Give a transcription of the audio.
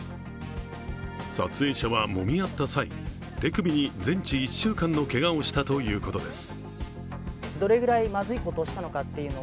撮影者はもみ合った際、手首に全治１週間のけがをしたということです。